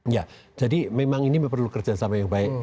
ya jadi memang ini perlu kerjasama yang baik